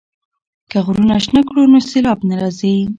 که غرونه شنه کړو نو سیلاب نه راځي.